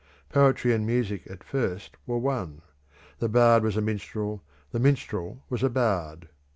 Poetry and music at first were one; the bard was a minstrel, the minstrel was a bard.